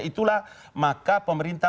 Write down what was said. itulah maka pemerintah